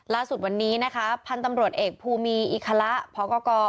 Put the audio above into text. ล่าสุดวันนี้นะคะพันธุ์ตำรวจเอกภูมีอิคละพก